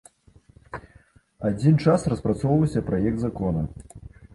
Адзін час распрацоўваўся праект закона.